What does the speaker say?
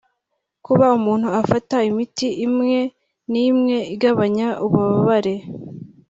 Kuba umuntu afata imiti imwe n’imwe igabanya ububabare